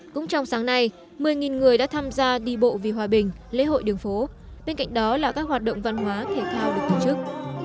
cũng trong sáng nay một mươi người đã tham gia đi bộ vì hòa bình lễ hội đường phố bên cạnh đó là các hoạt động văn hóa thể thao được tổ chức